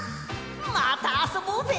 またあそぼうぜ！